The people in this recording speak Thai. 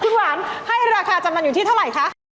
คุณหวานให้ราคาจำนำอยู่ที่เท่าไหร่คะ